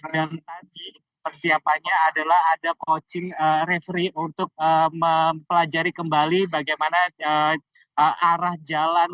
dan persiapannya adalah ada coaching referee untuk mempelajari kembali bagaimana arah jalan